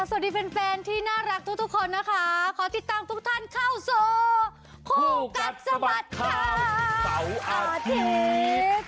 แฟนที่น่ารักทุกคนนะคะขอติดตามทุกท่านเข้าสู่คู่กัดสะบัดข่าวเสาร์อาทิตย์